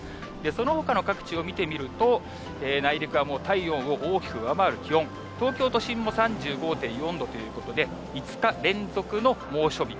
そのほかの各地を見てみると、内陸はもう体温を大きく上回る気温、東京都心も３５．４度ということで、５日連続の猛暑日。